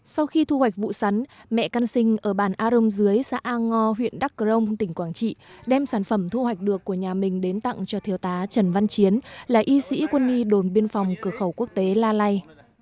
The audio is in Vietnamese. sau khi thu hoạch vụ sắn mẹ căn sinh ở bản a rông dưới xã a ngo huyện đắc rông tỉnh quảng trị đem sản phẩm thu hoạch được của nhà mình đến tặng cho thiếu tá trần văn chiến là y sĩ quân y đồn biên phòng cửa khẩu quốc tế la lai